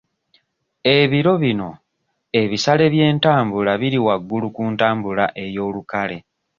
Ebiro bino ebisale by'entambula biri waggulu ku ntambula ey'olukale.